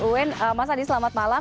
uin mas adi selamat malam